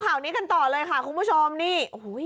ข่าวนี้กันต่อเลยค่ะคุณผู้ชมนี่โอ้โห